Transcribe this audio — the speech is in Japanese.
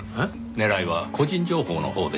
狙いは個人情報のほうでしょう。